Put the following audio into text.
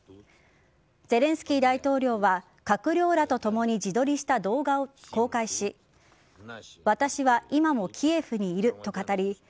ゼレンスキー大統領は閣僚らとともに自撮りした動画を公開し私は今もキエフにいると語り